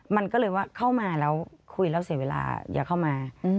มันก็เลยว่าเข้ามาแล้วคุยแล้วเสียเวลาอย่าเข้ามา